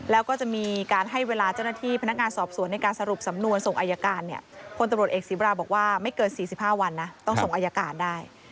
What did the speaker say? แล้วก็จะมีการให้เวลาเจ้าหน้าที่พนักงานสอบสวนในการสรุปสำนวนส่งอายการเนี่ยพลตำรวจเอกศีบราบอกว่าไม่เกิน๔๕วันนะต้องส่งอายการได้